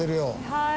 はい。